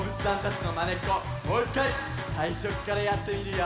もういっかいさいしょからやってみるよ。